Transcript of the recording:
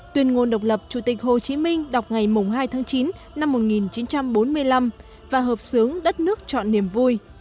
tuyên ngôn độc lập chủ tịch hồ chí minh đọc ngày hai tháng chín năm một nghìn chín trăm bốn mươi năm và hợp xướng đất nước chọn niềm vui